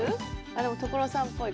でも所さんっぽい